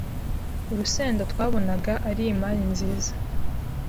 Urusenda twabonaga ari imari nziza